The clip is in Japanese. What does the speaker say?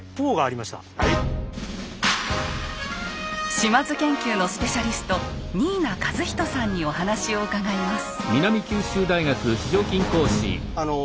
島津研究のスペシャリスト新名一仁さんにお話を伺います。